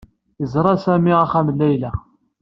Yerẓa Sami axxam n Layla.